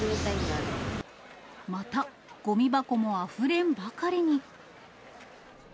また、ごみ箱もあふれんばかりに。